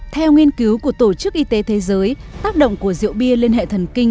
theo nghiên cứu của tổ chức y tế thế giới tác động của rượu bia lên hệ thần kinh